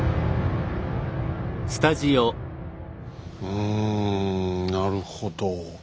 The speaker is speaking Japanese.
うんなるほど。